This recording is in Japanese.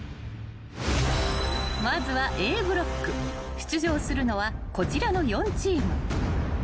［出場するのはこちらの４チーム］